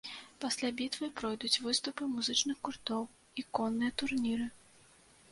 Пасля бітвы пройдуць выступы музычных гуртоў і конныя турніры.